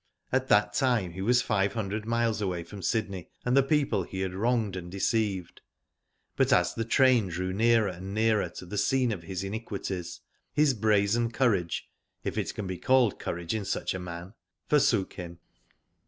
At that time he was five hundred miles away from Sydney and the people he had wronged and deceived. But as the train drew nearer and nearer to the scene of his iniquities his brazen courage — if it can be called courage in such a man — forsook him.